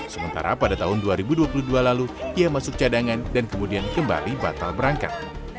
sementara pada tahun dua ribu dua puluh dua lalu ia masuk cadangan dan kemudian kembali batal berangkat